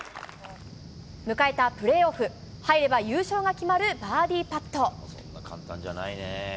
迎えたプレーオフ。入れば、優勝が決まるバーディーパット。